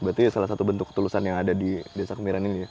berarti salah satu bentuk ketulusan yang ada di desa kemiren ini ya